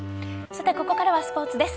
さて、ここからはスポーツです。